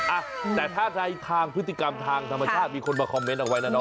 อ่ะแต่ถ้าในทางพฤติกรรมทางธรรมชาติมีคนมาคอมเมนต์เอาไว้แล้วเนาะ